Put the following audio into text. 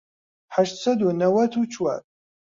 هەشت سەد و نەوەت و چوار